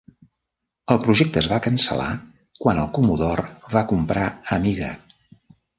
El projecte es va cancel·lar quan el comodor va comprar Amiga.